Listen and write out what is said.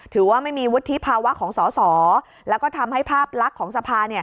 ถือว่าไม่มีวุฒิภาวะของสอสอแล้วก็ทำให้ภาพลักษณ์ของสภาเนี่ย